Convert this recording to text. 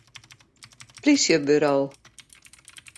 Plysjeburo.